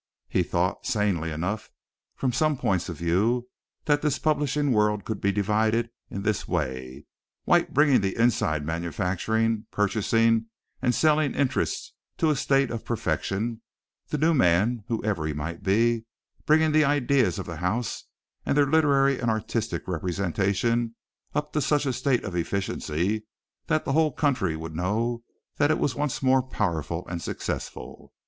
He thought, sanely enough from some points of view, that this publishing world could be divided in this way. White bringing the inside manufacturing, purchasing and selling interests to a state of perfection; the new man, whoever he might be, bringing the ideas of the house and their literary and artistic representation up to such a state of efficiency that the whole country would know that it was once more powerful and successful.